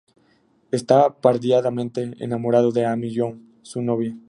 Está perdidamente enamorado de Amy Wong, su novia.